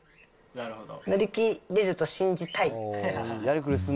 乗り切れると信じたい。